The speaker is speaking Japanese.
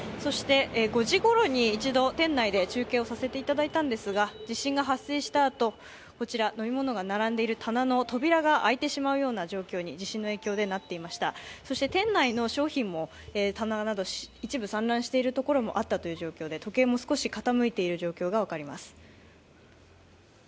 ５時ごろに一度、店内で中継をさせていただいたんですが、地震が発生したあとこちら飲み物が並んでいる扉が開いてしまうなような状況に地震の影響でなっていました、そして店内の商品も棚など、一部散乱しているところもあったという状況で時計も少し傾いている状況が分かります。